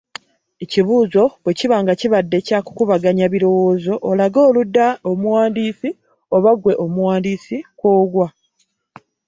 Ekibuuzo bwe kiba nga kibadde kya kukubaganya birowoozo olage oludda omuwandiisi oba ggwe omuwandiisi kw’ogwa.